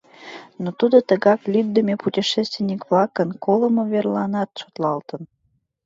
Но тудо тыгак лӱддымӧ путешественник-влакын колымо верланат шотлалтын.